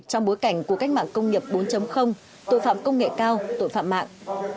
trong bối cảnh của cách mạng công nghiệp bốn tội phạm công nghệ cao tội phạm mạng